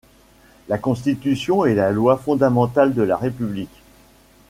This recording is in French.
La Constitution est la loi fondamentale de la République.